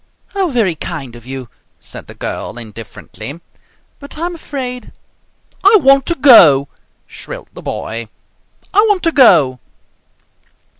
"How very kind of you!" said the girl indifferently. "But I'm afraid " "I want to go!" shrilled the boy. "I want to go!"